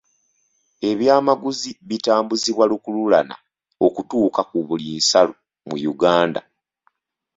Ebyamaguzi bitambuzibwa lukululana okutuuka ku buli nsalo mu Uganda.